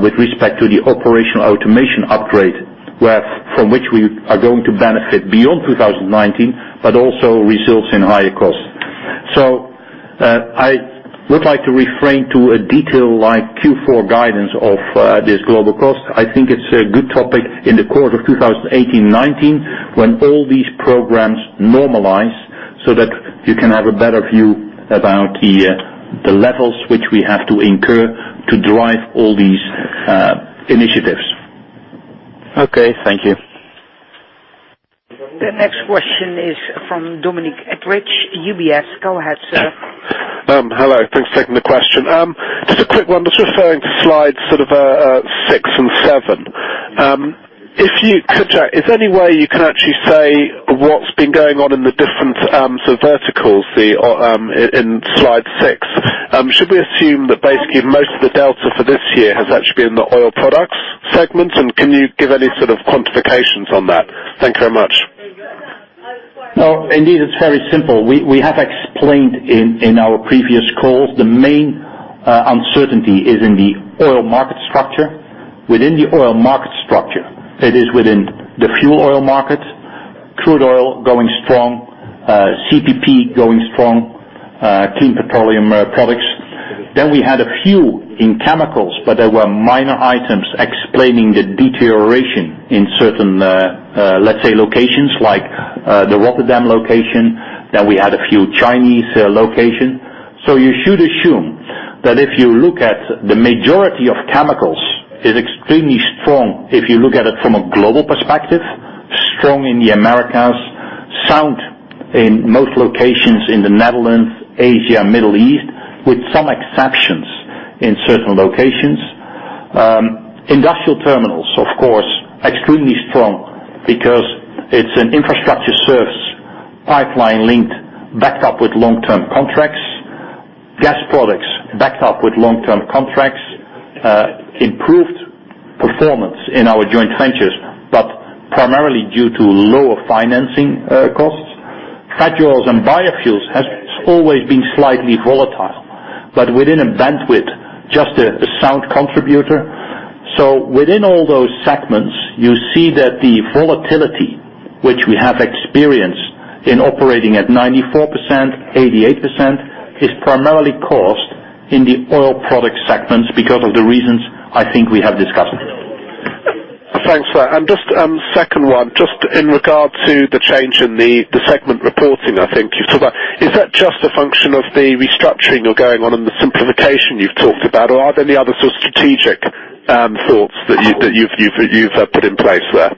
with respect to the operational automation upgrade, from which we are going to benefit beyond 2019, but also results in higher costs. I would like to refrain to a detail like Q4 guidance of this global cost. I think it's a good topic in the course of 2018-2019, when all these programs normalize, so that you can have a better view about the levels which we have to incur to drive all these initiatives. Okay. Thank you. The next question is from Dominic Ekrich, UBS. Go ahead, sir. Hello. Thanks for taking the question. Just a quick one. Just referring to slides six and seven. If you could, is there any way you can actually say what's been going on in the different verticals in Slide six? Should we assume that basically most of the delta for this year has actually been in the oil products segment? And can you give any sort of quantifications on that? Thank you very much. Indeed, it's very simple. We have explained in our previous calls, the main uncertainty is in the oil market structure. Within the oil market structure, it is within the fuel oil market, crude oil going strong, CPP going strong, clean petroleum products. We had a few in chemicals, but they were minor items explaining the deterioration in certain, let's say, locations like the Rotterdam location. We had a few Chinese locations. You should assume that if you look at the majority of chemicals is extremely strong, if you look at it from a global perspective, strong in the Americas, sound in most locations in the Netherlands, Asia, Middle East, with some exceptions in certain locations. Industrial terminals, of course, extremely strong because it's an infrastructure service, pipeline linked, backed up with long-term contracts. Gas products backed up with long-term contracts. Improved performance in our joint ventures, primarily due to lower financing costs. Petrochemicals and biofuels has always been slightly volatile, but within a bandwidth, just a sound contributor. Within all those segments, you see that the volatility which we have experienced in operating at 94%, 88%, is primarily caused in the oil product segments because of the reasons I think we have discussed. Thanks for that. Just second one, just in regard to the change in the segment reporting I think you've talked about, is that just a function of the restructuring or going on in the simplification you've talked about, or are there any other sort of strategic thoughts that you've put in place there?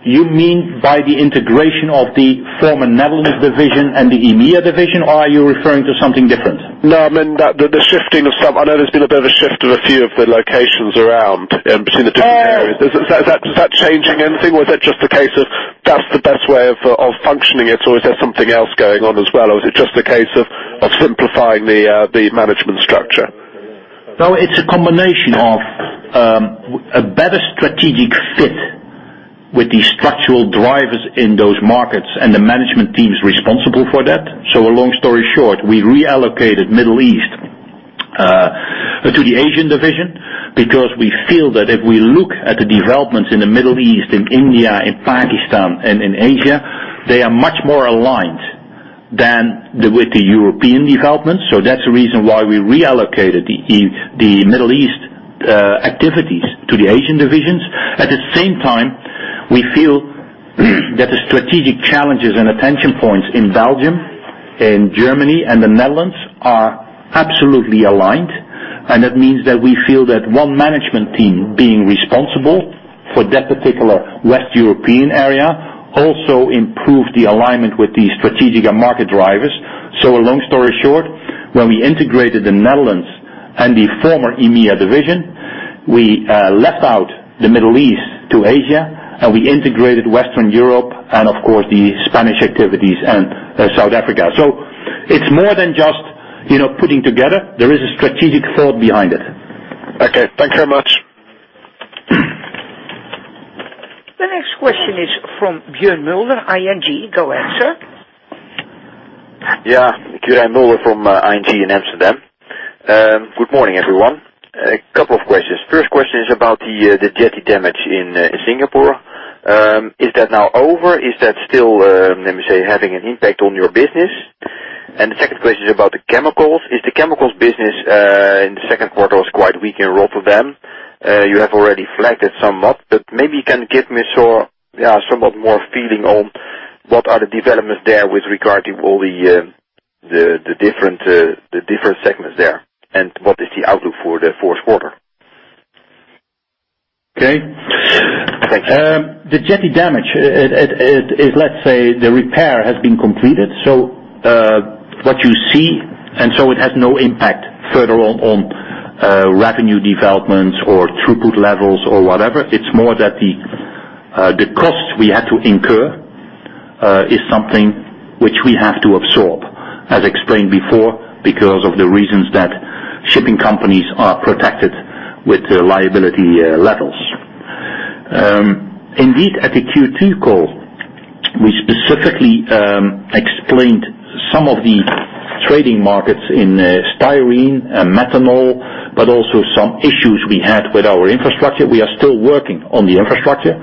You mean by the integration of the former Netherlands division and the EMEA division, or are you referring to something different? No, I mean I know there's been a bit of a shift of a few of the locations around between the different areas. Oh. Is that changing anything or is that just the case of that's the best way of functioning it, or is there something else going on as well? Is it just a case of simplifying the management structure? No, it's a combination of a better strategic fit with the structural drivers in those markets and the management teams responsible for that. A long story short, we reallocated Middle East to the Asian division because we feel that if we look at the developments in the Middle East, in India, in Pakistan, and in Asia, they are much more aligned than with the European developments. That's the reason why we reallocated the Middle East activities to the Asian divisions. At the same time, we feel that the strategic challenges and attention points in Belgium In Germany and the Netherlands are absolutely aligned, and that means that we feel that one management team being responsible for that particular West European area also improved the alignment with the strategic and market drivers. A long story short, when we integrated the Netherlands and the former EMEA division, we left out the Middle East to Asia, and we integrated Western Europe and of course, the Spanish activities and South Africa. It's more than just putting together. There is a strategic thought behind it. Okay. Thank you very much. The next question is from Quirijn Mulder, ING. Go ahead, sir. Yeah. Quirijn Mulder from ING in Amsterdam. Good morning, everyone. A couple of questions. First question is about the jetty damage in Singapore. Is that now over? Is that still, let me say, having an impact on your business? The second question is about the chemicals. Is the chemicals business in the second quarter was quite weak in Rotterdam. You have already flagged it somewhat, but maybe you can give me somewhat more feeling on what are the developments there with regard to all the different segments there, and what is the outlook for the fourth quarter? Okay. Thank you. The jetty damage, let's say, the repair has been completed. What you see, it has no impact further on revenue developments or throughput levels or whatever. It's more that the cost we had to incur is something which we have to absorb, as explained before, because of the reasons that shipping companies are protected with liability levels. Indeed, at the Q2 call, we specifically explained some of the trading markets in styrene and methanol, but also some issues we had with our infrastructure. We are still working on the infrastructure,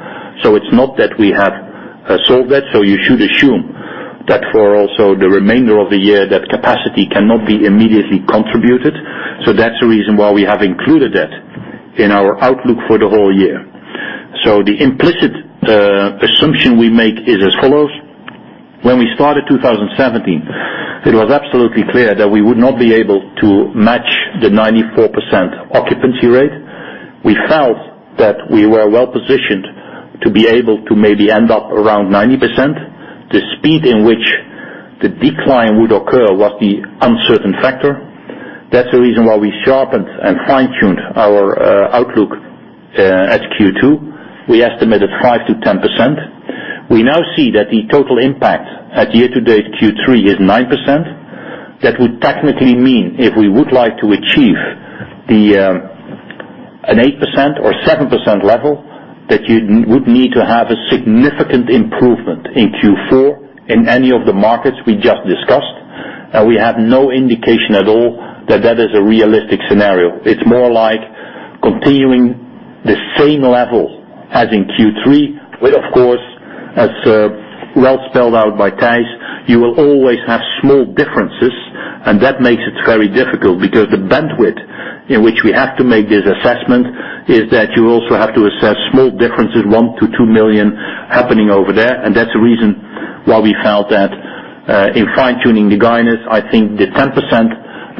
so it's not that we have solved that. You should assume that for also the remainder of the year, that capacity cannot be immediately contributed. That's the reason why we have included that in our outlook for the whole year. The implicit assumption we make is as follows. When we started 2017, it was absolutely clear that we would not be able to match the 94% occupancy rate. We felt that we were well-positioned to be able to maybe end up around 90%. The speed in which the decline would occur was the uncertain factor. That's the reason why we sharpened and fine-tuned our outlook at Q2. We estimated 5%-10%. We now see that the total impact at year to date Q3 is 9%. That would technically mean if we would like to achieve an 8% or 7% level, that you would need to have a significant improvement in Q4 in any of the markets we just discussed. We have no indication at all that that is a realistic scenario. It's more like continuing the same level as in Q3, where, of course, as well spelled out by Thijs, you will always have small differences, and that makes it very difficult because the bandwidth in which we have to make this assessment is that you also have to assess small differences, one to two million happening over there. That's the reason why we felt that in fine-tuning the guidance, I think the 10%,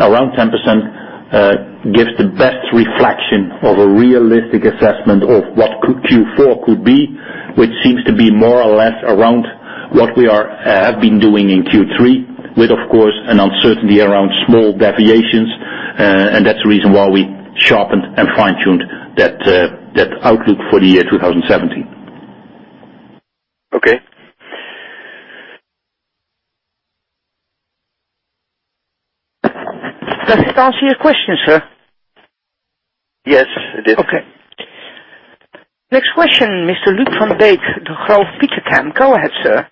around 10% gives the best reflection of a realistic assessment of what Q4 could be, which seems to be more or less around what we have been doing in Q3, with, of course, an uncertainty around small deviations. That's the reason why we sharpened and fine-tuned that outlook for the year 2017. Okay. Does this answer your question, sir? Yes, it did. Okay. Next question, Mr. Luuk van Beek, Degroof Petercam. Go ahead, sir.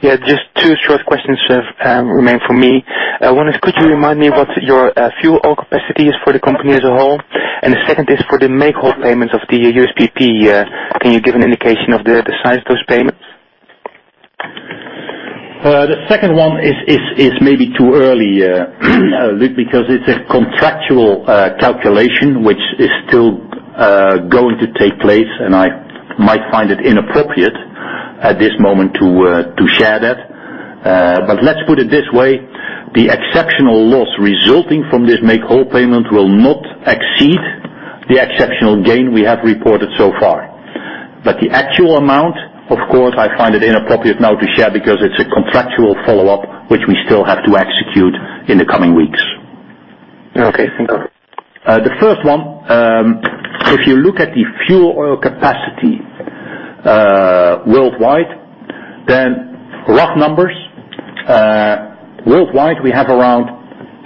Yeah, just two short questions remain for me. One is, could you remind me what your fuel oil capacity is for the company as a whole? The second is for the make-whole payments of the USPP. Can you give an indication of the size of those payments? The second one is maybe too early, Luuk, because it's a contractual calculation which is still going to take place, I might find it inappropriate at this moment to share that. Let's put it this way. The exceptional loss resulting from this make-whole payment will not exceed the exceptional gain we have reported so far. The actual amount, of course, I find it inappropriate now to share because it's a contractual follow-up, which we still have to execute in the coming weeks. Okay. Thank you. The first one, if you look at the fuel oil capacity worldwide, rough numbers, worldwide, we have around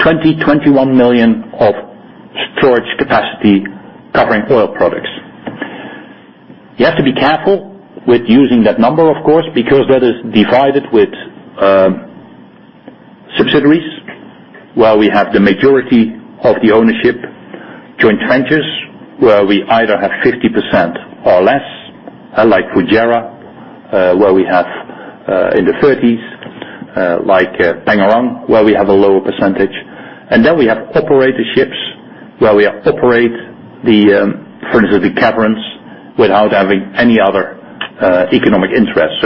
20, 21 million of storage capacity covering oil products. You have to be careful with using that number, of course, because that is divided with subsidiaries where we have the majority of the ownership, joint ventures, where we either have 50% or less, like Fujairah, where we have in the 30s. Like Pengerang, where we have a lower percentage. We have operatorships where we operate the caverns without having any other economic interest.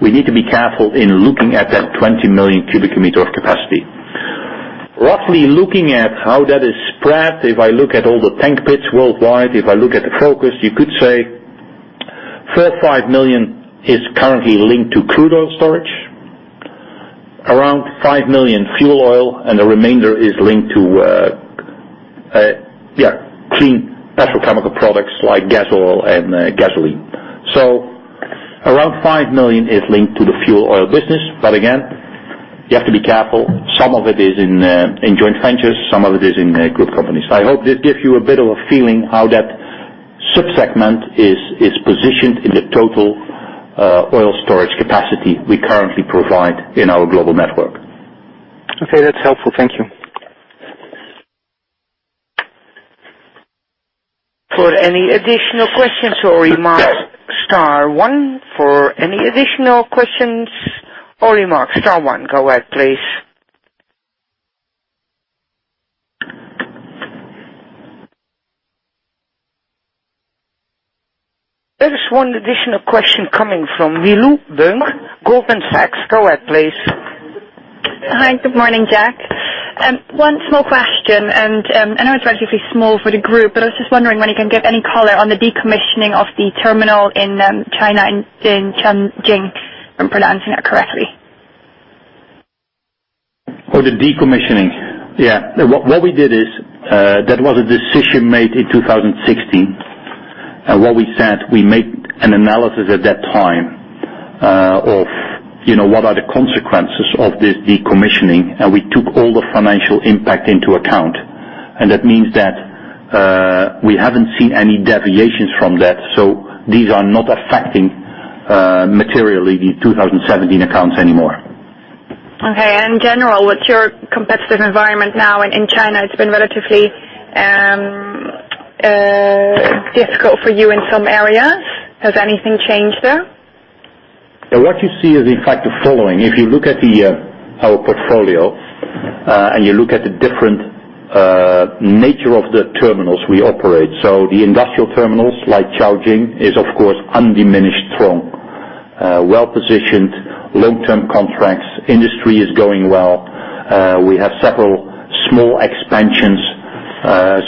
We need to be careful in looking at that 20 million cubic meter of capacity. Roughly looking at how that is spread, if I look at all the tank pits worldwide, if I look at the focus, you could say four, five million is currently linked to crude oil storage. Around 5 million fuel oil, the remainder is linked to clean petroleum products like gas oil and gasoline. Around 5 million is linked to the fuel oil business, again, you have to be careful. Some of it is in joint ventures, some of it is in group companies. I hope this gives you a bit of a feeling how that sub-segment is positioned in the total oil storage capacity we currently provide in our global network. Okay, that's helpful. Thank you. For any additional questions or remarks, star one. For any additional questions or remarks, star one. Go ahead, please. There is one additional question coming from Michele Vrona, Goldman Sachs. Go ahead, please. Hi. Good morning, Jack. One small question. I know it's relatively small for the group. I was just wondering when you can give any color on the decommissioning of the terminal in China, in Tianjin, I'm pronouncing that correctly. Oh, the decommissioning. Yeah. What we did is, that was a decision made in 2016. What we said, we make an analysis at that time of what are the consequences of this decommissioning, we took all the financial impact into account. That means that, we haven't seen any deviations from that, these are not affecting materially the 2017 accounts anymore. Okay. In general, what's your competitive environment now in China? It's been relatively difficult for you in some areas. Has anything changed there? What you see is in fact, the following. If you look at our portfolio, you look at the different nature of the terminals we operate. The industrial terminals like Tianjin is, of course, undiminished strong. Well-positioned, long-term contracts, industry is going well. We have several small expansions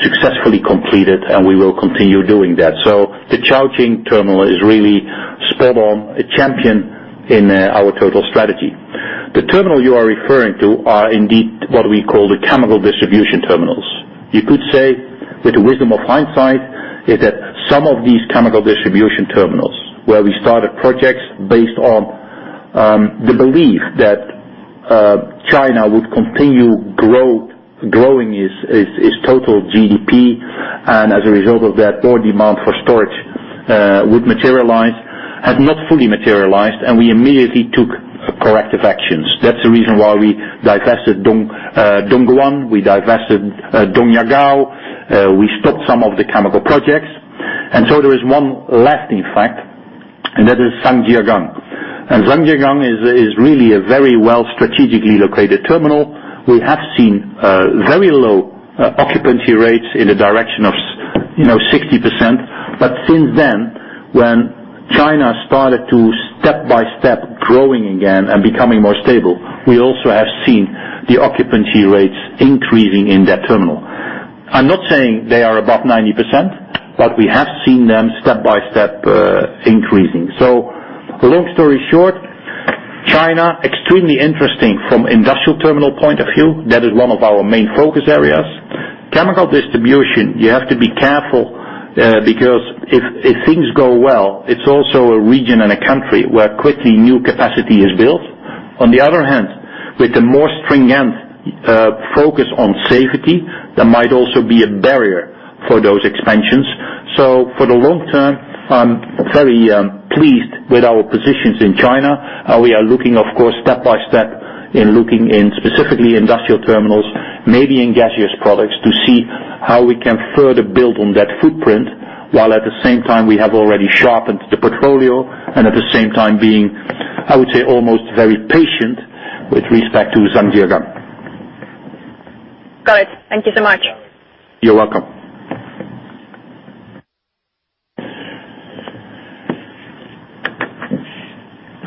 successfully completed, we will continue doing that. The Tianjin terminal is really spot on, a champion in our total strategy. The terminal you are referring to are indeed what we call the chemical distribution terminals. You could say with the wisdom of hindsight, is that some of these chemical distribution terminals where we started projects based on the belief that China would continue growing its total GDP, as a result of that, more demand for storage would materialize, has not fully materialized, we immediately took corrective actions. That's the reason why we divested Dongguan, we divested Dongying, we stopped some of the chemical projects. There is one left, in fact, and that is Zhangjiagang. Zhangjiagang is really a very well strategically located terminal. We have seen very low occupancy rates in the direction of 60%. Since then, when China started to step by step growing again and becoming more stable, we also have seen the occupancy rates increasing in that terminal. I'm not saying they are above 90%, but we have seen them step by step increasing. Long story short, China, extremely interesting from industrial terminal point of view. That is one of our main focus areas. Chemical distribution, you have to be careful, because if things go well, it's also a region and a country where quickly new capacity is built. On the other hand, with the more stringent focus on safety, there might also be a barrier for those expansions. For the long term, I'm very pleased with our positions in China. We are looking, of course, step by step in looking in specifically industrial terminals, maybe in gaseous products, to see how we can further build on that footprint, while at the same time we have already sharpened the portfolio and at the same time being, I would say, almost very patient with respect to Zhangjiagang. Got it. Thank you so much. You're welcome.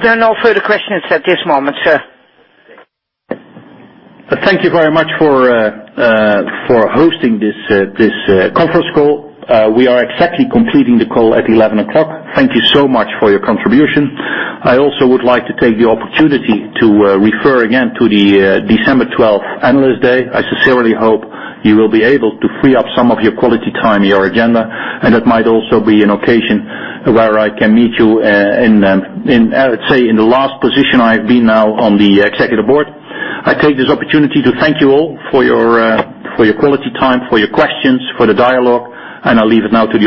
There are no further questions at this moment, sir. Thank you very much for hosting this conference call. We are exactly completing the call at 11 o'clock. Thank you so much for your contribution. I also would like to take the opportunity to refer again to the December 12th Analyst Day. I sincerely hope you will be able to free up some of your quality time in your agenda, and that might also be an occasion where I can meet you in, let's say, in the last position I have been now on the Executive Board. I take this opportunity to thank you all for your quality time, for your questions, for the dialogue, and I'll leave it now to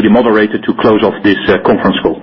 the moderator to close off this conference call.